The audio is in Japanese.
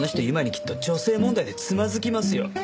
今にきっと女性問題でつまずきますよ。